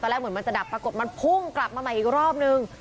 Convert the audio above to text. แรกเหมือนมันจะดับปรากฏมันพุ่งกลับมาใหม่อีกรอบนึง